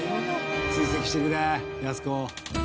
追跡してくれやす子。